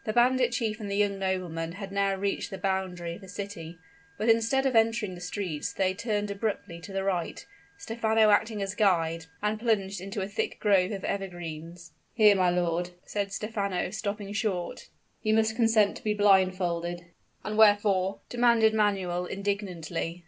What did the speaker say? The bandit chief and the young nobleman had now reached the boundary of the city; but instead of entering the streets, they turned abruptly to the right, Stephano acting as guide, and plunged into a thick grove of evergreens. "Here, my lord," said Stephano, stopping short, "you must consent to be blindfolded." "And wherefore?" demanded Manuel, indignantly.